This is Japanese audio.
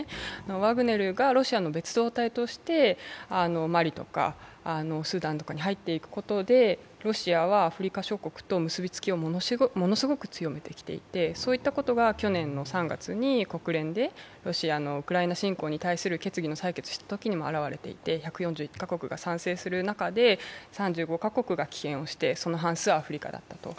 ワグネルがロシアの別動隊としてマリとかスーダンとかに入っていくことでロシアはアフリカ諸国との結びつきをものすごく強めてきていて、そういったことが去年の３月に国連でロシアのウクライナ侵攻に対する決議を採決したときにも表れていて１４５か国が賛成する中で３５か国が棄権をしてその半数はアフリカだったと。